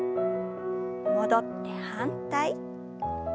戻って反対。